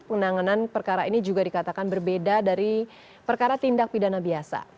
penanganan perkara ini juga dikatakan berbeda dari perkara tindak pidana biasa